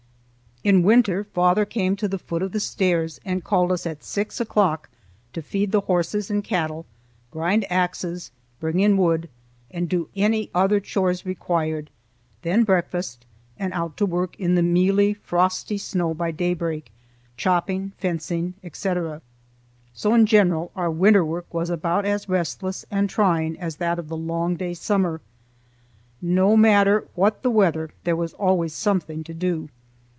In winter father came to the foot of the stairs and called us at six o'clock to feed the horses and cattle, grind axes, bring in wood, and do any other chores required, then breakfast, and out to work in the mealy, frosty snow by daybreak, chopping, fencing, etc. So in general our winter work was about as restless and trying as that of the long day summer. No matter what the weather, there was always something to do.